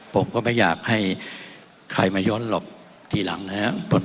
ผมก็ไม่อยากให้ใครมาย้อนหรอกทีหลังนะครับ